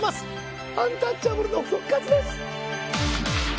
アンタッチャブルの復活です！